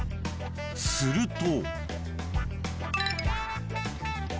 ［すると］